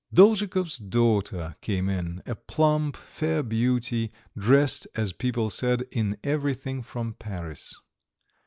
Dolzhikov's daughter came in, a plump, fair beauty, dressed, as people said, in everything from Paris.